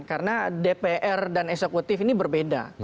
karena dpr dan eksekutif ini berbeda